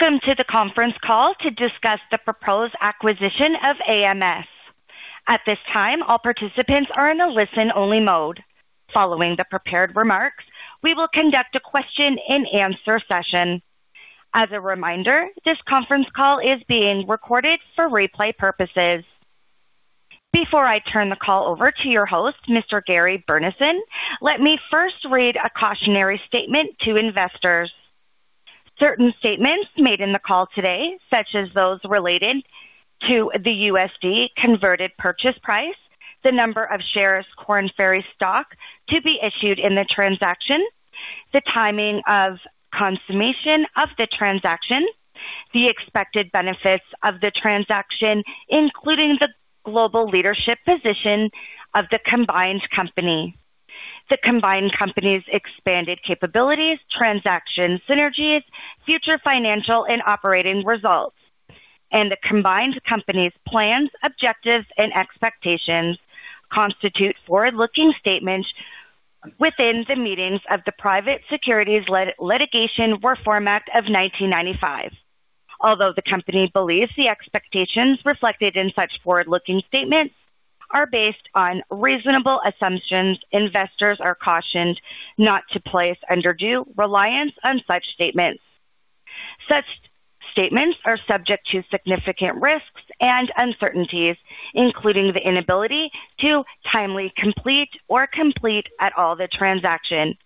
Welcome to the conference call to discuss the proposed acquisition of AMS. At this time, all participants are in a listen-only mode. Following the prepared remarks, we will conduct a question-and-answer session. As a reminder, this conference call is being recorded for replay purposes. Before I turn the call over to your host, Mr. Gary Burnison, let me first read a cautionary statement to investors. Certain statements made in the call today, such as those related to the USD converted purchase price, the number of shares Korn Ferry stock to be issued in the transaction, the timing of consummation of the transaction, the expected benefits of the transaction, including the global leadership position of the combined company. The combined company's expanded capabilities, transaction synergies, future financial and operating results, and the combined company's plans, objectives, and expectations constitute forward-looking statements within the meaning of the Private Securities Litigation Reform Act of 1995. Although the company believes the expectations reflected in such forward-looking statements are based on reasonable assumptions, investors are cautioned not to place undue reliance on such statements. Such statements are subject to significant risks and uncertainties, including the inability to timely complete or complete at all the transaction,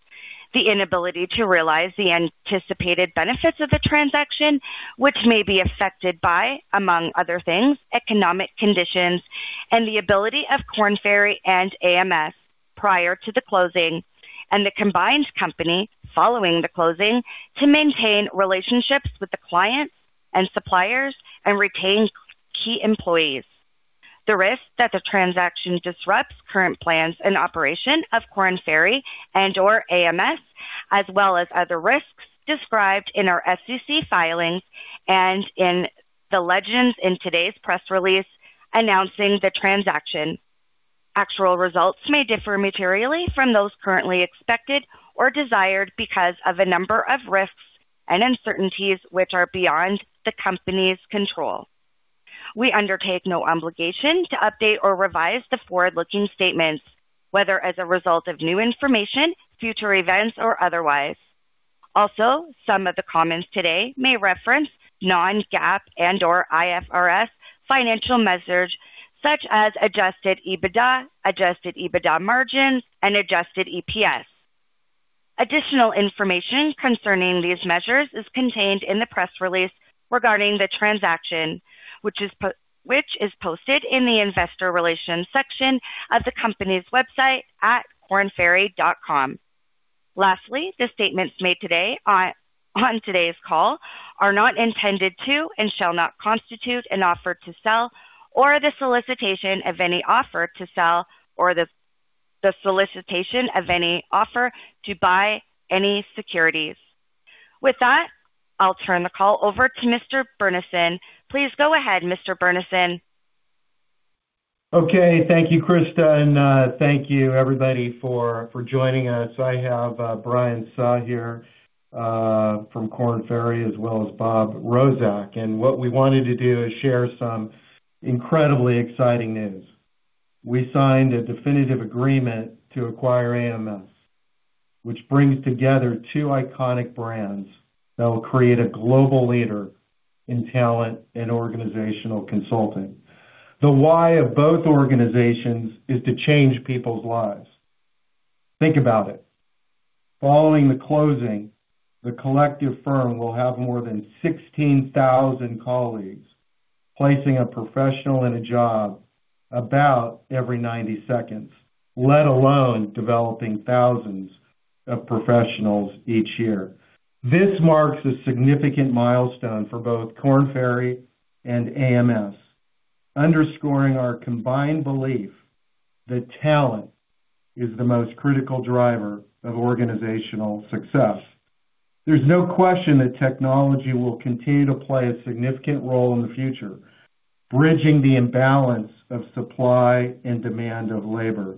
the inability to realize the anticipated benefits of the transaction, which may be affected by, among other things, economic conditions, and the ability of Korn Ferry and AMS prior to the closing, and the combined company following the closing, to maintain relationships with the client and suppliers and retain key employees. The risk that the transaction disrupts current plans and operation of Korn Ferry and/or AMS, as well as other risks described in our SEC filings and in the legends in today's press release announcing the transaction. Actual results may differ materially from those currently expected or desired because of a number of risks and uncertainties which are beyond the company's control. We undertake no obligation to update or revise the forward-looking statements, whether as a result of new information, future events, or otherwise. Also, some of the comments today may reference non-GAAP and/or IFRS financial measures such as adjusted EBITDA, adjusted EBITDA margin, and adjusted EPS. Additional information concerning these measures is contained in the press release regarding the transaction, which is posted in the investor relations section of the company's website at kornferry.com. The statements made today on today's call are not intended to and shall not constitute an offer to sell or the solicitation of any offer to sell or the solicitation of any offer to buy any securities. With that, I'll turn the call over to Mr. Burnison. Please go ahead, Mr. Burnison. Okay. Thank you, Krista, and thank you, everybody, for joining us. I have Brian Suh here from Korn Ferry, as well as Bob Rozek. What we wanted to do is share some incredibly exciting news. We signed a definitive agreement to acquire AMS, which brings together two iconic brands that will create a global leader in talent and organizational consulting. The why of both organizations is to change people's lives. Think about it. Following the closing, the collective firm will have more than 16,000 colleagues placing a professional in a job about every 90 seconds, let alone developing thousands of professionals each year. This marks a significant milestone for both Korn Ferry and AMS, underscoring our combined belief that talent is the most critical driver of organizational success. There's no question that technology will continue to play a significant role in the future, bridging the imbalance of supply and demand of labor.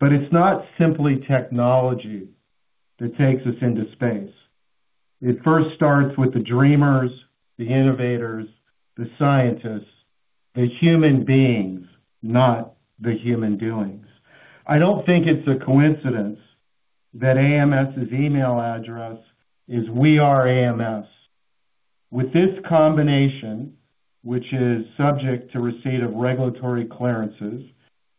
It's not simply technology that takes us into space. It first starts with the dreamers, the innovators, the scientists, the human beings, not the human doings. I don't think it's a coincidence that AMS's email address is We Are AMS. With this combination, which is subject to receipt of regulatory clearances,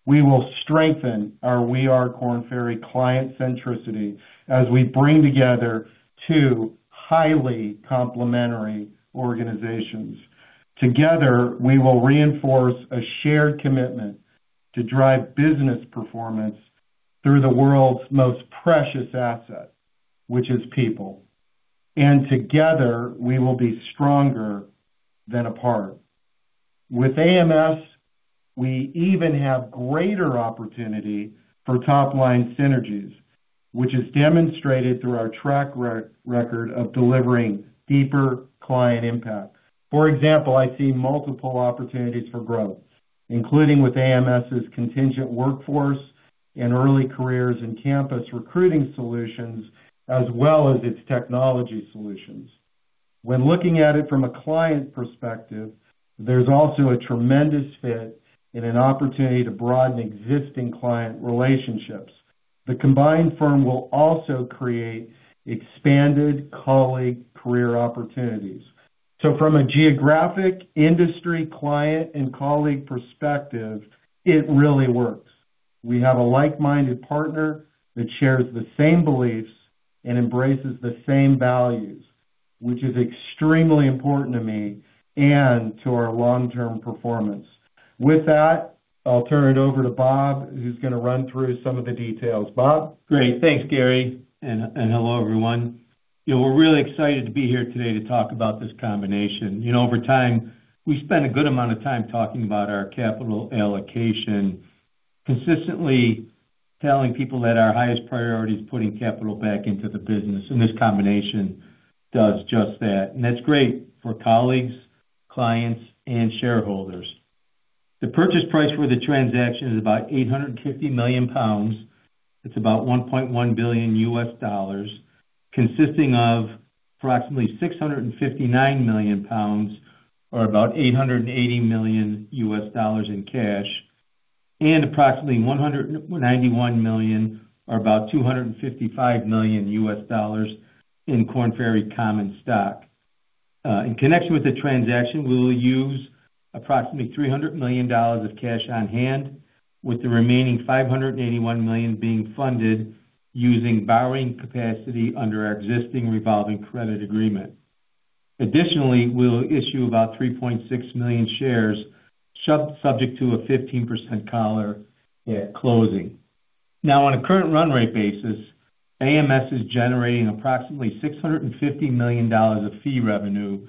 we will strengthen our We Are Korn Ferry client centricity as we bring together two highly complementary organizations. Together, we will reinforce a shared commitment to drive business performance through the world's most precious asset, which is people. Together, we will be stronger than apart. With AMS, we even have greater opportunity for top-line synergies, which is demonstrated through our track record of delivering deeper client impact. For example, I see multiple opportunities for growth, including with AMS's contingent workforce and early careers in campus recruiting solutions, as well as its technology solutions. When looking at it from a client perspective, there's also a tremendous fit and an opportunity to broaden existing client relationships. The combined firm will also create expanded colleague career opportunities. From a geographic, industry, client, and colleague perspective, it really works. We have a like-minded partner that shares the same beliefs and embraces the same values, which is extremely important to me and to our long-term performance. With that, I'll turn it over to Bob, who's going to run through some of the details. Bob? Great. Thanks, Gary, and hello, everyone. We're really excited to be here today to talk about this combination. Over time, we spent a good amount of time talking about our capital allocation, consistently telling people that our highest priority is putting capital back into the business, and this combination does just that. That's great for colleagues, clients, and shareholders. The purchase price for the transaction is about 850 million pounds. It's about $1.1 billion, consisting of approximately 659 million pounds, or about $880 million in cash, and approximately 191 million, or about $255 million in Korn Ferry common stock. In connection with the transaction, we will use approximately $300 million of cash on hand, with the remaining $581 million being funded using borrowing capacity under our existing revolving credit agreement. Additionally, we'll issue about 3.6 million shares, subject to a 15% collar at closing. On a current run rate basis, AMS is generating approximately $650 million of fee revenue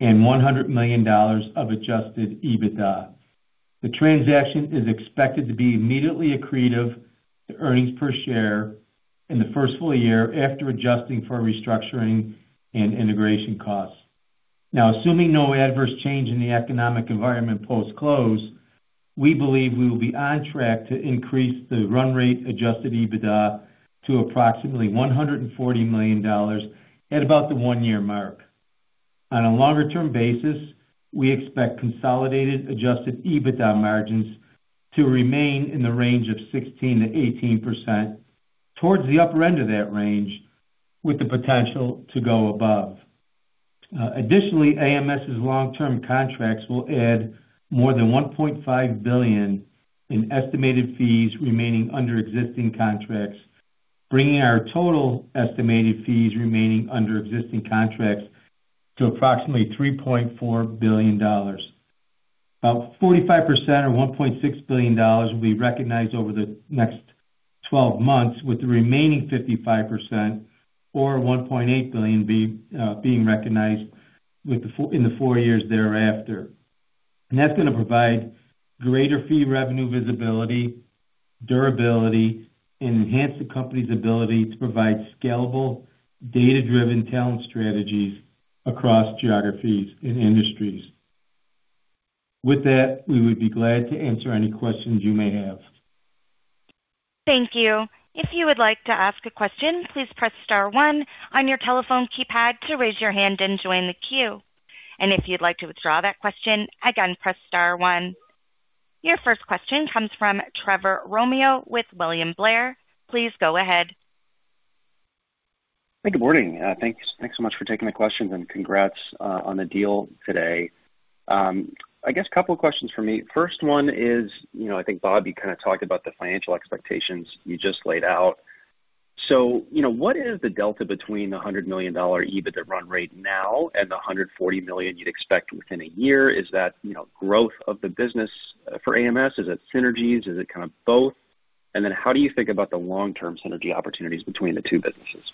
and $100 million of adjusted EBITDA. The transaction is expected to be immediately accretive to earnings per share in the first full year after adjusting for restructuring and integration costs. Assuming no adverse change in the economic environment post-close, we believe we will be on track to increase the run rate adjusted EBITDA to approximately $140 million at about the one-year mark. On a longer-term basis, we expect consolidated adjusted EBITDA margins to remain in the range of 16%-18%, towards the upper end of that range, with the potential to go above. AMS's long-term contracts will add more than $1.5 billion in estimated fees remaining under existing contracts, bringing our total estimated fees remaining under existing contracts to approximately $3.4 billion. About 45%, or $1.6 billion, will be recognized over the next 12 months, with the remaining 55%, or $1.8 billion, being recognized in the four years thereafter. That's going to provide greater fee revenue visibility, durability, and enhance the company's ability to provide scalable, data-driven talent strategies across geographies and industries. With that, we would be glad to answer any questions you may have. Thank you. If you would like to ask a question, please press star one on your telephone keypad to raise your hand and join the queue. If you'd like to withdraw that question, again, press star one. Your first question comes from Trevor Romeo with William Blair. Please go ahead. Good morning. Thanks so much for taking the questions, congrats on the deal today. I guess a couple of questions from me. First one is, I think, Bob, you kind of talked about the financial expectations you just laid out. What is the delta between the $100 million EBITDA run rate now and the $140 million you'd expect within a year? Is that growth of the business for AMS? Is it synergies? Is it kind of both? Then how do you think about the long-term synergy opportunities between the two businesses?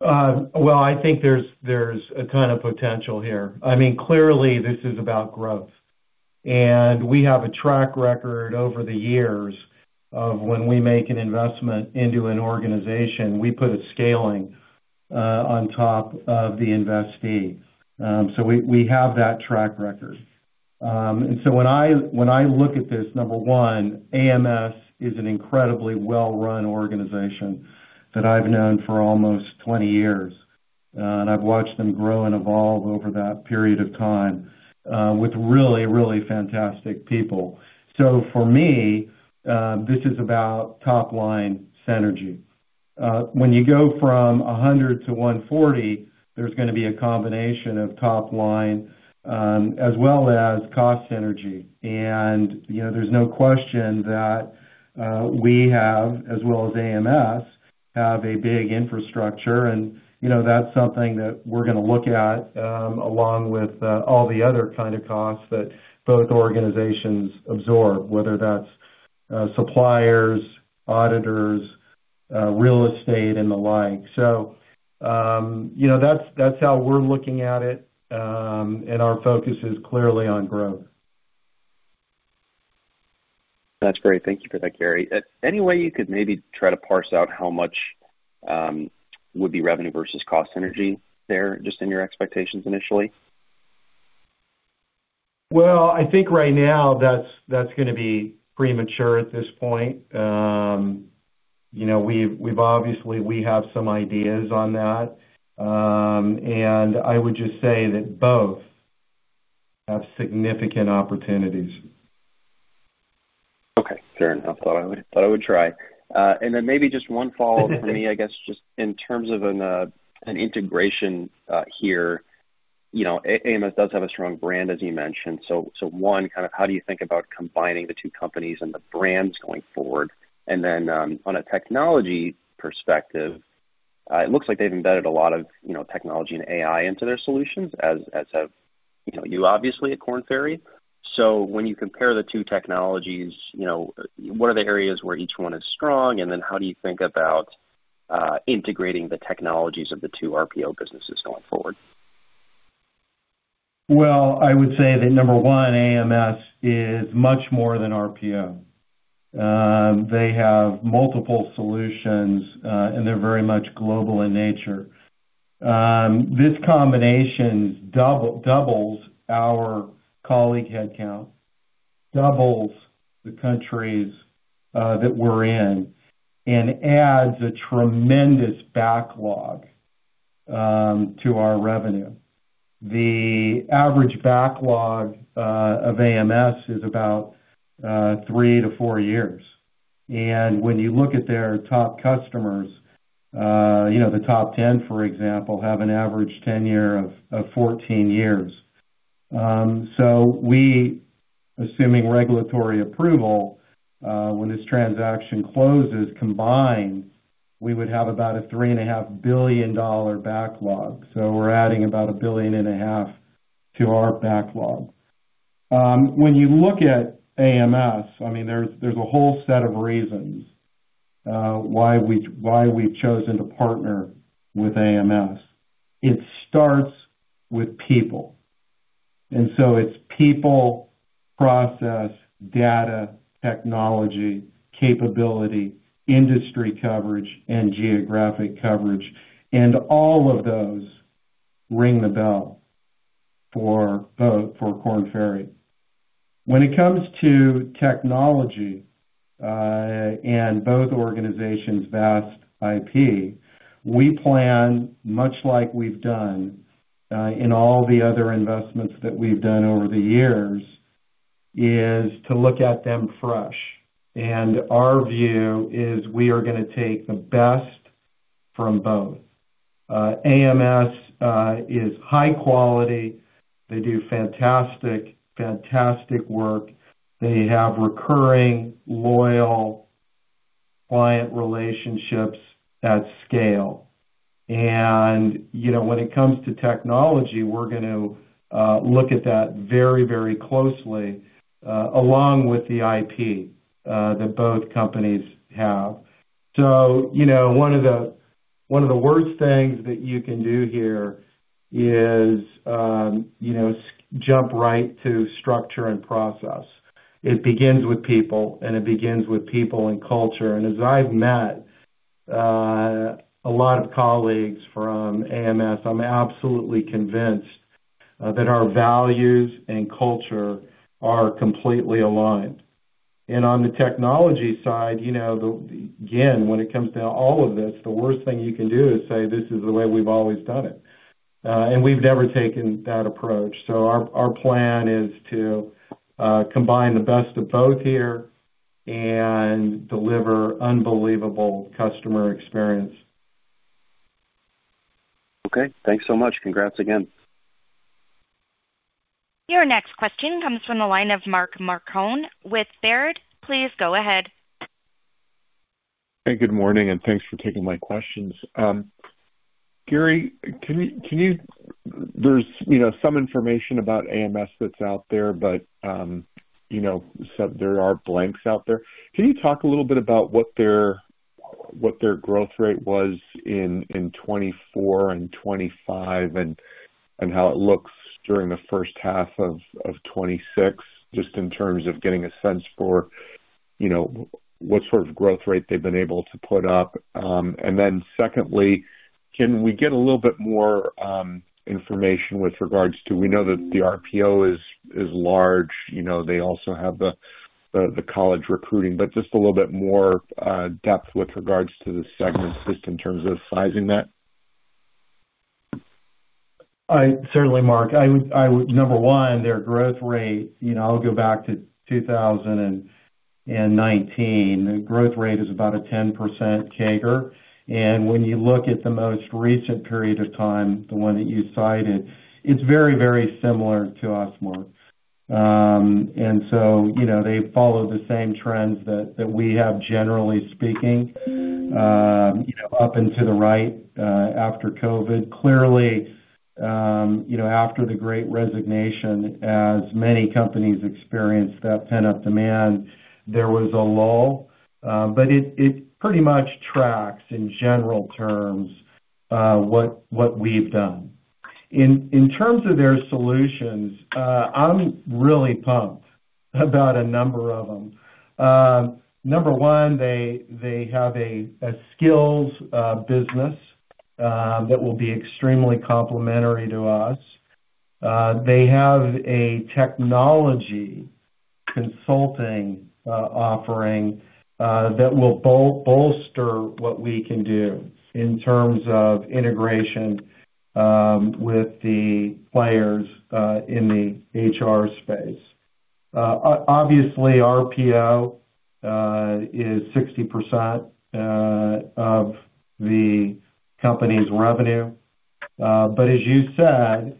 Well, I think there's a ton of potential here. Clearly, this is about growth. We have a track record over the years of when we make an investment into an organization, we put a scaling on top of the investee. We have that track record. When I look at this, number one, AMS is an incredibly well-run organization that I've known for almost 20 years. I've watched them grow and evolve over that period of time with really, really fantastic people. For me, this is about top-line synergy. When you go from 100-140, there's going to be a combination of top-line as well as cost synergy. There's no question that we have, as well as AMS, have a big infrastructure, and that's something that we're going to look at along with all the other kind of costs that both organizations absorb, whether that's suppliers, auditors, real estate, and the like. That's how we're looking at it, and our focus is clearly on growth. That's great. Thank you for that, Gary. Any way you could maybe try to parse out how much would be revenue versus cost synergy there, just in your expectations initially? Well, I think right now that's going to be premature at this point. Obviously, we have some ideas on that. I would just say that both have significant opportunities. Okay, fair enough. Thought I would try. Maybe just one follow-up from me, I guess, just in terms of an integration here. AMS does have a strong brand, as you mentioned. One, kind of how do you think about combining the two companies and the brands going forward? On a technology perspective, it looks like they've embedded a lot of technology and AI into their solutions, as have you obviously at Korn Ferry. When you compare the two technologies, what are the areas where each one is strong, and then how do you think about integrating the technologies of the two RPO businesses going forward? I would say that number one, AMS is much more than RPO. They have multiple solutions, and they're very much global in nature. This combination doubles our colleague headcount, doubles the countries that we're in, and adds a tremendous backlog to our revenue. The average backlog of AMS is about three to four years. When you look at their top customers, the top 10, for example, have an average tenure of 14 years. We, assuming regulatory approval, when this transaction closes, combined, we would have about a $3.5 billion backlog. We're adding about a billion and a half to our backlog. When you look at AMS, there's a whole set of reasons why we've chosen to partner with AMS. It starts with people. It's people, process, data, technology, capability, industry coverage, and geographic coverage. All of those ring the bell for both, for Korn Ferry. When it comes to technology, both organizations' vast IP, we plan, much like we've done in all the other investments that we've done over the years, is to look at them fresh. Our view is we are going to take the best from both. AMS is high quality. They do fantastic work. They have recurring, loyal client relationships at scale. When it comes to technology, we're going to look at that very closely, along with the IP that both companies have. One of the worst things that you can do here is jump right to structure and process. It begins with people, and it begins with people and culture. As I've met a lot of colleagues from AMS, I'm absolutely convinced that our values and culture are completely aligned. On the technology side, again, when it comes to all of this, the worst thing you can do is say, "This is the way we've always done it." We've never taken that approach. Our plan is to combine the best of both here and deliver unbelievable customer experience. Okay. Thanks so much. Congrats again. Your next question comes from the line of Mark Marcon with Baird. Please go ahead. Hey, good morning. Thanks for taking my questions. Gary, there's some information about AMS that's out there, but there are blanks out there. Can you talk a little bit about what their growth rate was in 2024 and 2025 and how it looks during the first half of 2026, just in terms of getting a sense for what sort of growth rate they've been able to put up. Secondly, can we get a little bit more information with regards to we know that the RPO is large. They also have the college recruiting, but just a little bit more depth with regards to the segments, just in terms of sizing that. Certainly, Mark. Number one, their growth rate, I'll go back to 2019. The growth rate is about a 10% CAGR. When you look at the most recent period of time, the one that you cited, it's very similar to us, Mark. They follow the same trends that we have, generally speaking, up and to the right after COVID. Clearly, after the great resignation, as many companies experienced that pent-up demand, there was a lull. It pretty much tracks in general terms what we've done. In terms of their solutions, I'm really pumped about a number of them. Number one, they have a skills business that will be extremely complementary to us. They have a technology consulting offering that will bolster what we can do in terms of integration with the players in the HR space. Obviously, RPO is 60% of the company's revenue. As you said,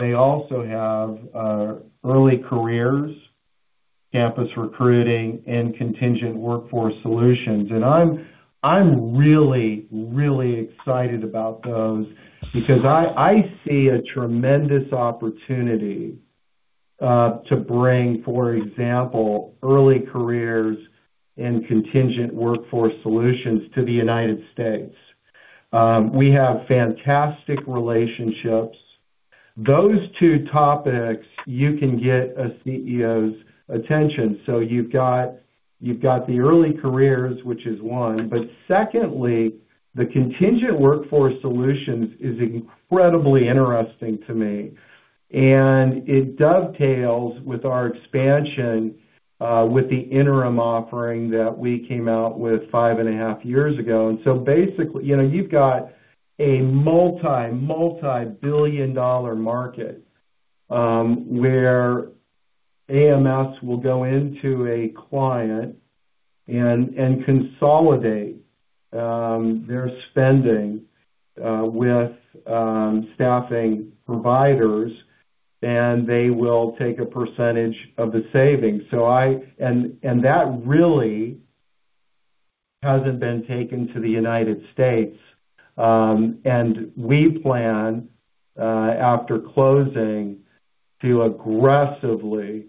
they also have early careers, campus recruiting, and contingent workforce solutions. I'm really, really excited about those because I see a tremendous opportunity to bring, for example, early careers and contingent workforce solutions to the United States. We have fantastic relationships. Those two topics, you can get a CEO's attention. You've got the early careers, which is one, but secondly, the contingent workforce solutions is incredibly interesting to me, and it dovetails with our expansion with the interim offering that we came out with five and a half years ago. Basically, you've got a multi-billion-dollar market, where AMS will go into a client and consolidate their spending with staffing providers, and they will take a percentage of the savings. That really hasn't been taken to the United States. We plan, after closing, to aggressively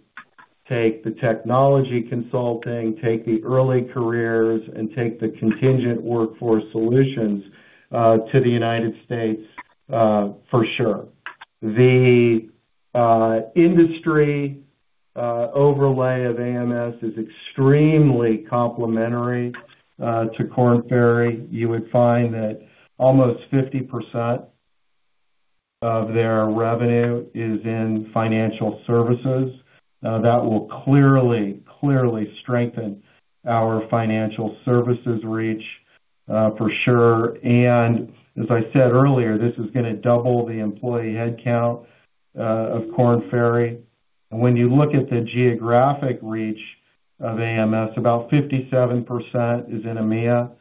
take the technology consulting, take the early careers, and take the contingent workforce solutions to the United States for sure. The industry overlay of AMS is extremely complementary to Korn Ferry. You would find that almost 50% of their revenue is in financial services. That will clearly strengthen our financial services reach for sure. As I said earlier, this is going to double the employee headcount of Korn Ferry. When you look at the geographic reach of AMS, about 57% is in EMEA,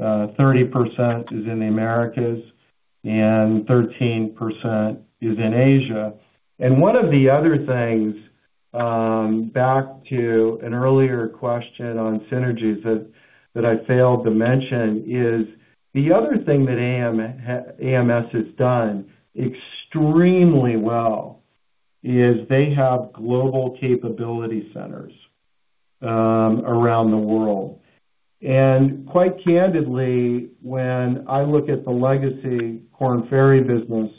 30% is in the Americas, and 13% is in Asia. One of the other things, back to an earlier question on synergies that I failed to mention, is the other thing that AMS has done extremely well is they have global capability centers around the world. Quite candidly, when I look at the legacy Korn Ferry business,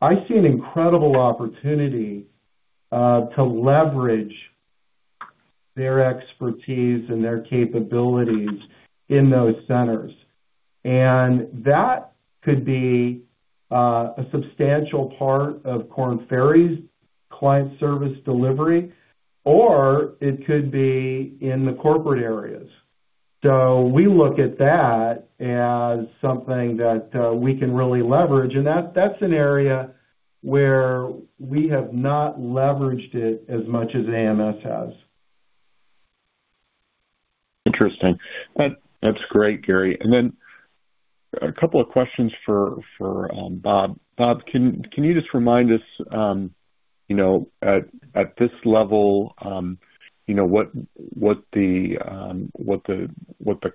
I see an incredible opportunity to leverage their expertise and their capabilities in those centers. That could be a substantial part of Korn Ferry's client service delivery, or it could be in the corporate areas. We look at that as something that we can really leverage, and that's an area where we have not leveraged it as much as AMS has. Interesting. That's great, Gary. A couple of questions for Bob. Bob, can you just remind us, at this level, what the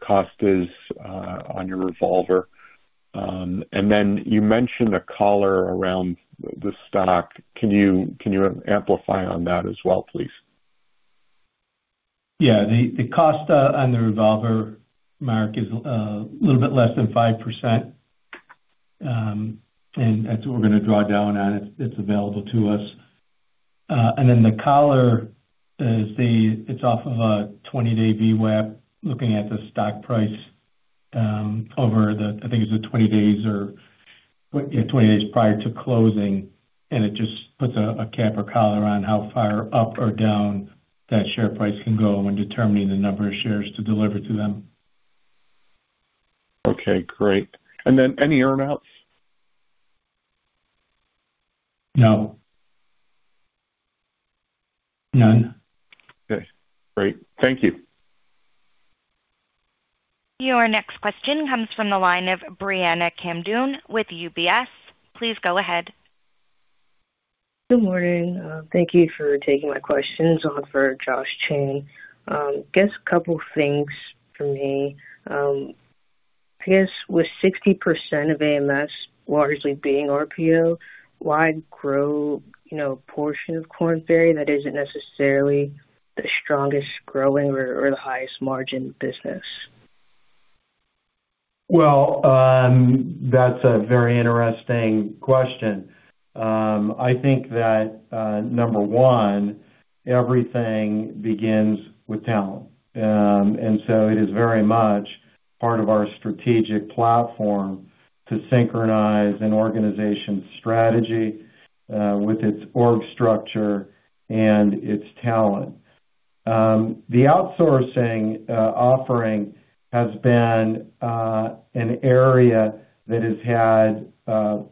cost is on your revolver? You mentioned a collar around the stock. Can you amplify on that as well, please? Yeah. The cost on the revolver, Mark, is a little bit less than 5%, and that's what we're gonna draw down on. It's available to us. The collar is off of a 20-day VWAP, looking at the stock price over the, I think it's the 20 days, or yeah, 20 days prior to closing, and it just puts a cap or collar on how far up or down that share price can go when determining the number of shares to deliver to them. Okay, great. Any earn-outs? No. None. Okay, great. Thank you. Your next question comes from the line of Brianna Kamdoum with UBS. Please go ahead. Good morning. Thank you for taking my questions on for Josh Chan. Guess a couple things for me. I guess with 60% of AMS largely being RPO, why grow a portion of Korn Ferry that isn't necessarily the strongest growing or the highest margin business? That's a very interesting question. I think that, number one, everything begins with talent. It is very much part of our strategic platform to synchronize an organization's strategy with its org structure and its talent. The outsourcing offering has been an area that has had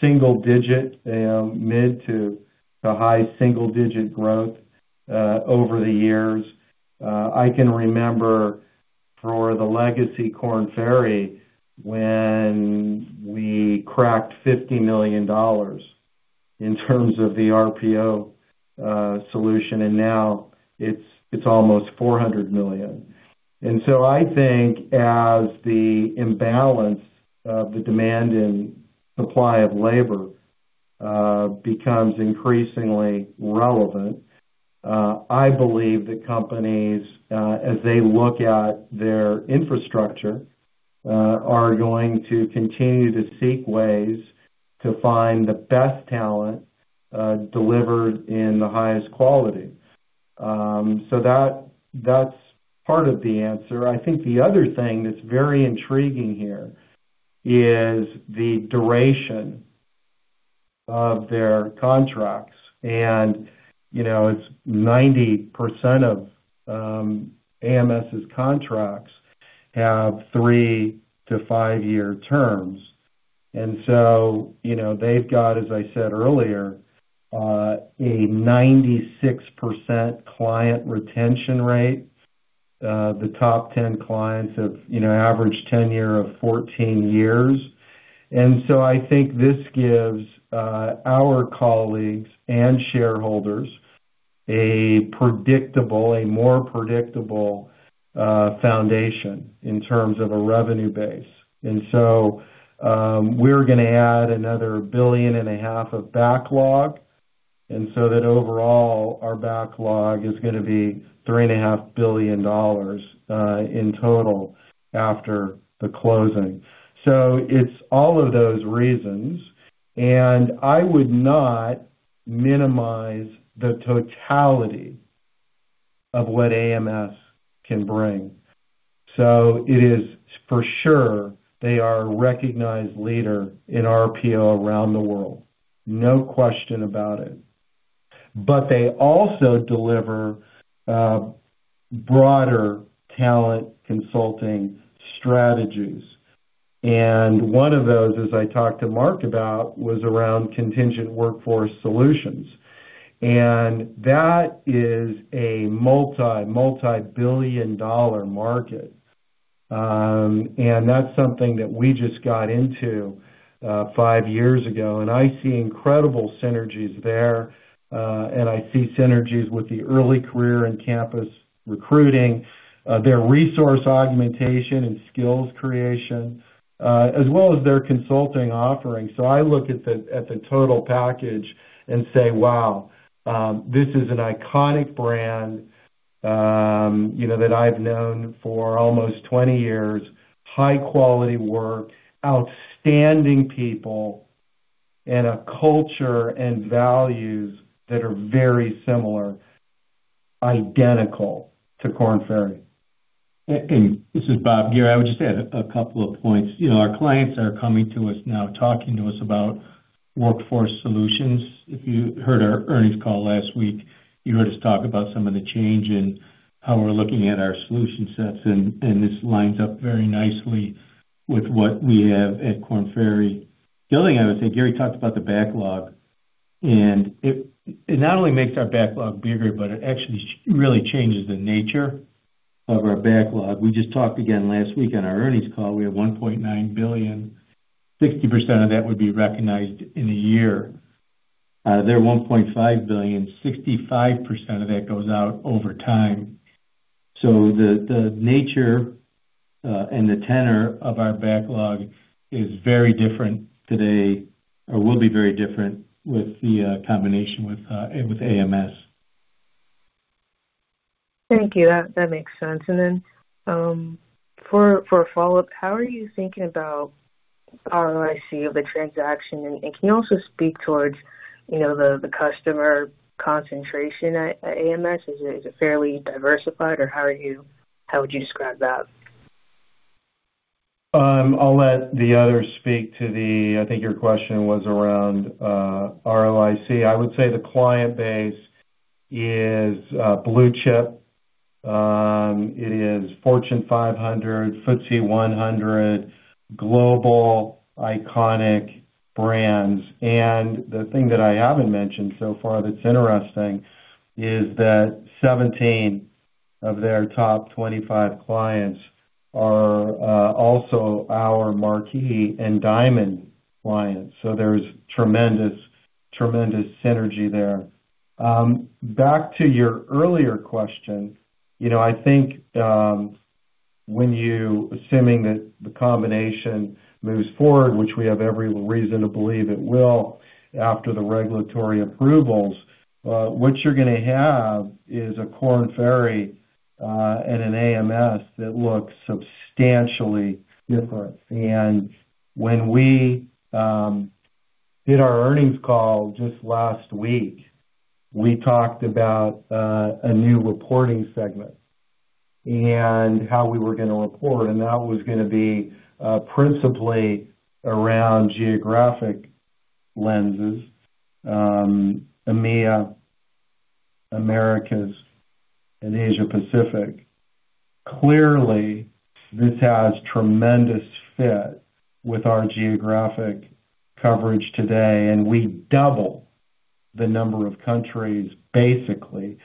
single-digit, mid to high single-digit growth over the years. I can remember for the legacy Korn Ferry when we cracked $50 million in terms of the RPO solution, and now it's almost $400 million. I think as the imbalance of the demand and supply of labor becomes increasingly relevant, I believe that companies, as they look at their infrastructure, are going to continue to seek ways to find the best talent delivered in the highest quality. That's part of the answer. I think the other thing that's very intriguing here is the duration of their contracts. It's 90% of AMS's contracts have three to five-year terms. They've got, as I said earlier, a 96% client retention rate. The top 10 clients have average tenure of 14 years. I think this gives our colleagues and shareholders a more predictable foundation in terms of a revenue base. We're going to add another billion and a half of backlog, so that overall, our backlog is going to be $3.5 billion in total after the closing. It's all of those reasons, and I would not minimize the totality of what AMS can bring. It is for sure they are a recognized leader in RPO around the world. No question about it. They also deliver broader talent consulting strategies. One of those, as I talked to Mark about, was around contingent workforce solutions. That is a multi-billion-dollar market. That's something that we just got into five years ago, and I see incredible synergies there. I see synergies with the early career and campus recruiting, their resource augmentation and skills creation, as well as their consulting offerings. I look at the total package and say, "Wow, this is an iconic brand that I've known for almost 20 years. High-quality work, outstanding people, and a culture and values that are very similar, identical to Korn Ferry. This is Bob. I would just add a couple of points. Our clients are coming to us now, talking to us about workforce solutions. If you heard our earnings call last week, you heard us talk about some of the change in how we're looking at our solution sets, and this lines up very nicely with what we have at Korn Ferry. The other thing I would say, Gary talked about the backlog. It not only makes our backlog bigger, but it actually really changes the nature of our backlog. We just talked again last week on our earnings call. We have $1.9 billion. 60% of that would be recognized in a year. Their $1.5 billion, 65% of that goes out over time. The nature and the tenor of our backlog is very different today, or will be very different with the combination with AMS. Thank you. That makes sense. For a follow-up, how are you thinking about ROIC of the transaction? Can you also speak towards the customer concentration at AMS? Is it fairly diversified, or how would you describe that? I'll let the others speak to the I think your question was around ROIC. I would say the client base is blue-chip. It is Fortune 500, FTSE 100, global iconic brands. The thing that I haven't mentioned so far that's interesting is that 17 of their top 25 clients are also our Marquee and Diamond clients, so there's tremendous synergy there. Back to your earlier question, I think assuming that the combination moves forward, which we have every reason to believe it will after the regulatory approvals, what you're going to have is a Korn Ferry and an AMS that looks substantially different. When we did our earnings call just last week. We talked about a new reporting segment and how we were going to report, and that was going to be principally around geographic lenses, EMEA, Americas, and Asia-Pacific. Clearly, this has tremendous fit with our geographic coverage today. We double the number of countries basically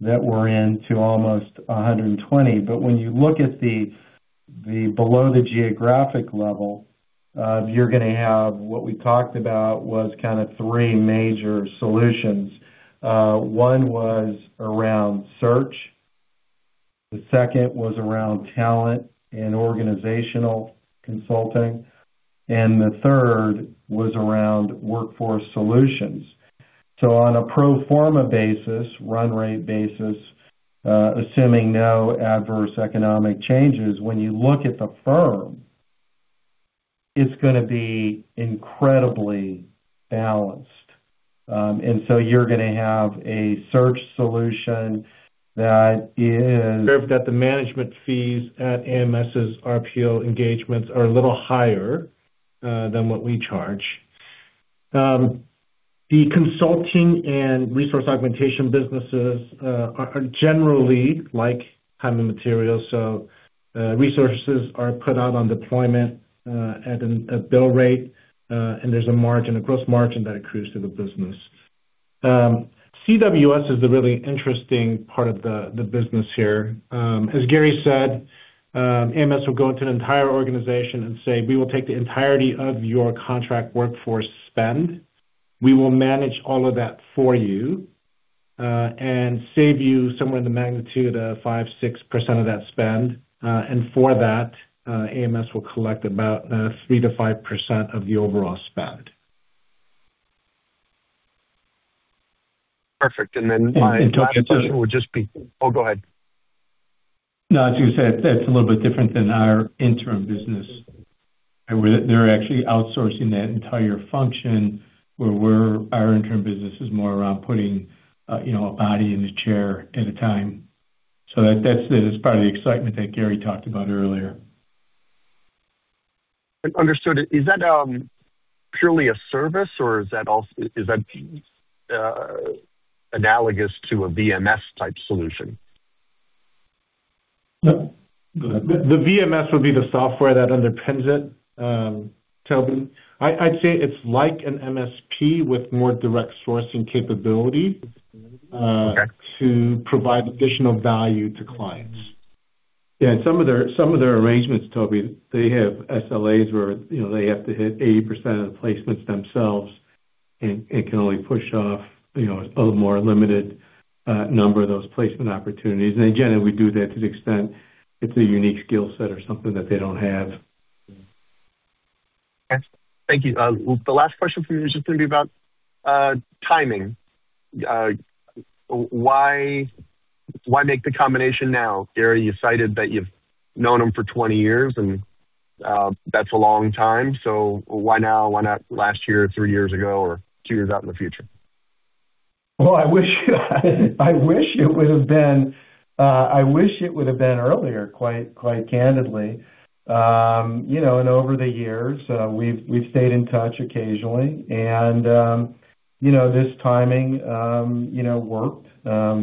that we're in to almost 120. When you look at below the geographic level, you're going to have what we talked about was kind of three major solutions. One was around search, the second was around talent and organizational consulting, and the third was around workforce solutions. On a pro forma basis, run rate basis, assuming no adverse economic changes, when you look at the firm, it's going to be incredibly balanced. You're going to have a search solution that is- Observe that the management fees at AMS' RPO engagements are a little higher than what we charge. The consulting and resource augmentation businesses are generally like time and materials, so resources are put out on deployment at a bill rate, and there's a margin, a gross margin that accrues to the business. CWS is the really interesting part of the business here. As Gary said, AMS will go into an entire organization and say, "We will take the entirety of your contract workforce spend. We will manage all of that for you, and save you somewhere in the magnitude of 5 %, 6 % of that spend." For that, AMS will collect about three to five percent of the overall spend. Perfect. Then my last question would just be Oh, go ahead. No, I was going to say that's a little bit different than our interim business. They're actually outsourcing that entire function, where our interim business is more around putting a body in the chair at a time. That's part of the excitement that Gary talked about earlier. Understood. Is that purely a service or is that analogous to a VMS type solution? No. The VMS would be the software that underpins it, Tobey. I'd say it's like an MSP with more direct sourcing capability- Okay to provide additional value to clients. Yeah. Some of their arrangements, Tobey, they have SLAs where they have to hit 80% of the placements themselves and can only push off a more limited number of those placement opportunities. Again, we do that to the extent it's a unique skill set or something that they don't have. Okay. Thank you. The last question for you is just going to be about timing. Why make the combination now, Gary? You cited that you've known them for 20 years, and that's a long time. Why now? Why not last year or three years ago or two years out in the future? Well, I wish it would've been earlier, quite candidly. Over the years, we've stayed in touch occasionally. This timing worked.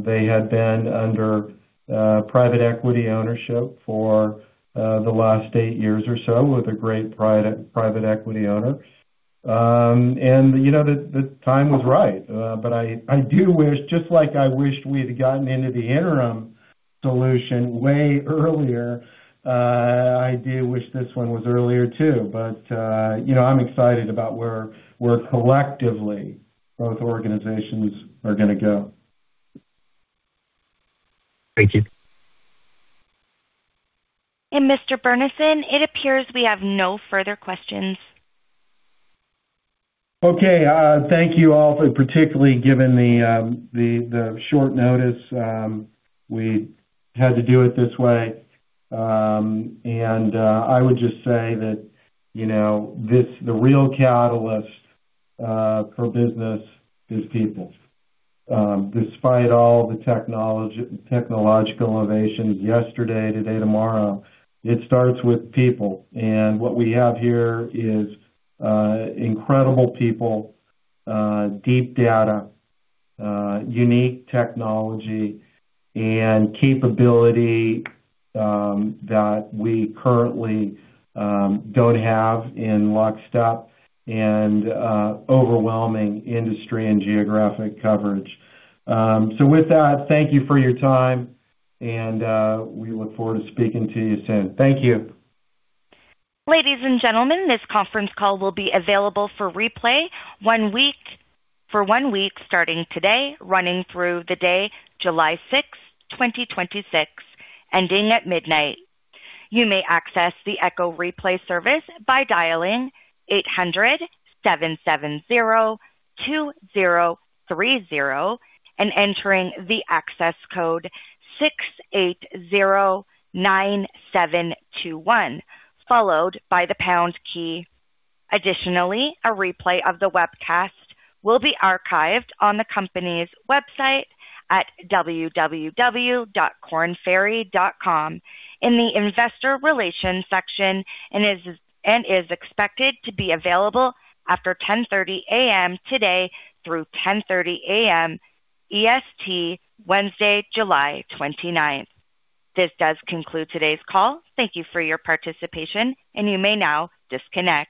They had been under private equity ownership for the last eight years or so with a great private equity owner. The time was right. I do wish, just like I wished we'd gotten into the interim solution way earlier, I do wish this one was earlier, too. I'm excited about where collectively both organizations are going to go. Thank you. Mr. Burnison, it appears we have no further questions. Okay. Thank you all, particularly given the short notice, we had to do it this way. I would just say that the real catalyst for business is people. Despite all the technological innovations yesterday, today, tomorrow, it starts with people. What we have here is incredible people, deep data, unique technology, and capability that we currently don't have in lockstep and overwhelming industry and geographic coverage. With that, thank you for your time, and we look forward to speaking to you soon. Thank you. Ladies and gentlemen, this conference call will be available for replay for one week starting today, running through the day July 6th, 2026, ending at midnight. You may access the echo replay service by dialing 800-770-2030 and entering the access code 6809721, followed by the pound key. Additionally, a replay of the webcast will be archived on the company's website at www.kornferry.com in the investor relations section and is expected to be available after 10:30 A.M. today through 10:30 A.M. EST, Wednesday, July 29th. This does conclude today's call. Thank you for your participation, and you may now disconnect.